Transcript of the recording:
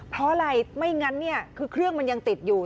เพราะอะไรไม่งั้นเนี่ยคือเครื่องมันยังติดอยู่